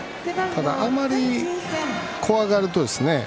ただ、あまり怖がるとね。